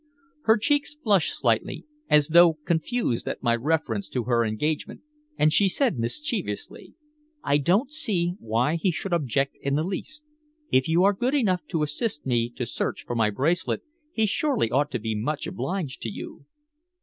Her cheeks flushed slightly, as though confused at my reference to her engagement, and she said mischievously: "I don't see why he should object in the least. If you are good enough to assist me to search for my bracelet, he surely ought to be much obliged to you."